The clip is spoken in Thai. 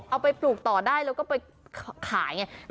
เอาไปปลูกต่อได้แล้วก็ไปขายอย่างนี้